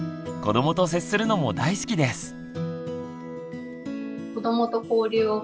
子どもと接するのも大好きです。